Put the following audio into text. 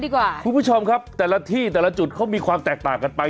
คุณผู้ชมครับแต่ละที่แต่ละจุดเขามีความแตกต่างกันไป